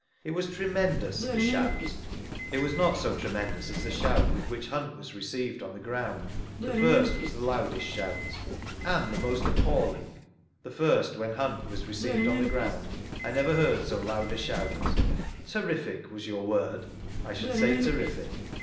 It was tremendous — the shout? — It was not so tremendous as xbe shout with which Hunt was vGoogIc 40 THREE ACCOUNTS OF PETERLOO received on the ground; the first was the loudest shout. And the most appalling ?— The first, when Hunt was received on the ground; I never heard so loud a shout. ^ Terrific," was your word ?— I should say terrific.